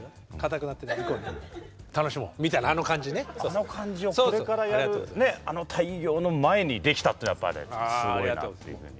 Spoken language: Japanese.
あの感じをこれからやるあの大業の前にできたってやっぱりすごいなっていうふうに。